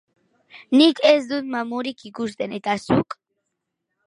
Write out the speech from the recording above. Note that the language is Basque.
Nik ez dut mamurik ikusten, eta zuk?